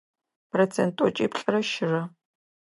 Процент тӏокӏиплӏрэ щырэ .